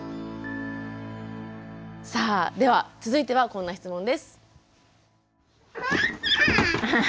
さあでは続いてはこんな質問です。